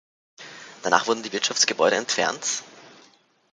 Danach wurden die Wirtschaftsgebäude entfernt.